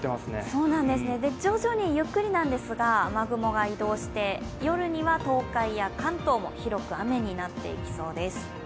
徐々に、ゆっくりなんですが雨雲が移動して夜には東海や関東も広く雨になっていきそうです。